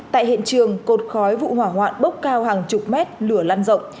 tại hiện trường cột khói vụ hỏa hoạn bốc cao hàng chục mét lửa lan rộng